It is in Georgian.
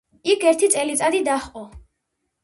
იქ ერთი წელიწადი დაჰყო.